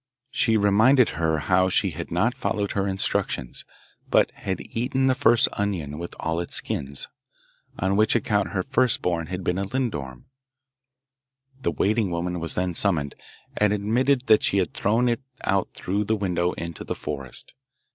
She reminded her how she had not followed her instructions, but had eaten the first onion with all its skins, on which account her first born had been a lindorm. The waiting woman was then summoned, and admitted that she had thrown it out through the window into the forest.